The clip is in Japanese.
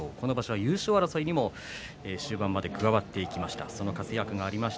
この場所は優勝争いにも終盤まで加わっていきました。